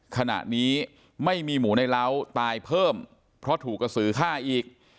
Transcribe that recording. ขณะนี้ไม่มีหมูในเล้าตายเพิ่มเพราะถูกกระสือฆ่าอีก